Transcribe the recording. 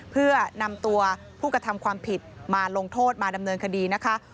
เพื่อนำตัวผู้กระทำความผิดมาลงโทษมาดำเนินคดีนะคะ